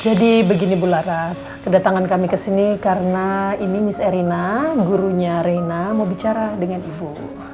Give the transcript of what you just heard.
jadi begini bu laras kedatangan kami kesini karena ini miss erina gurunya reina mau bicara dengan ibu